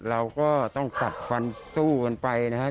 เราก็ต้องกัดฟันสู้กันไปนะครับ